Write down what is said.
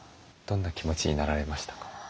どんな気持ちになられましたか？